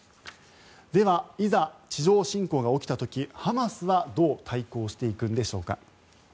ではいざ地上侵攻が起きた時ハマスはどう対抗していくんでしょうか。